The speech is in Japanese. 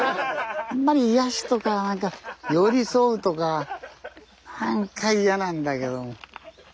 あんまり「癒やし」とかなんか「寄り添う」とかなんか嫌なんだけども。